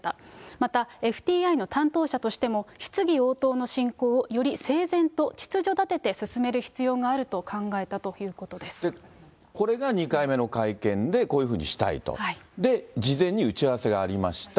またＦＴＩの担当者としても、質疑応答の進行をより整然と秩序立てて進める必要があると考えたこれが２回目の会見で、こういうふうにしたいと、で、事前に打ち合わせがありました。